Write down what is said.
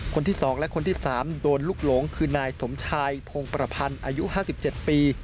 คนที่๒และคนที่๓โดนลูกหลงคือนายสมชายพงประพันธ์อายุ๕๗ปี